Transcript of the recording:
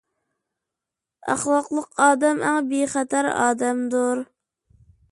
ئەخلاقلىق ئادەم ئەڭ بىخەتەر ئادەمدۇر.